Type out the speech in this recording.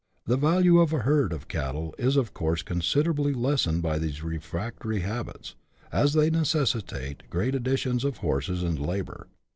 The value of a herd of cattle is of course considerably lessened by these refractory habits, as they necessitate a great addition of horses and labour.